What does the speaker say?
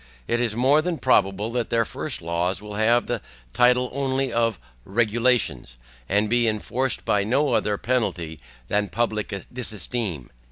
It is more than probable that their first laws will have the title only of REGULATIONS, and be enforced by no other penalty than public disesteem.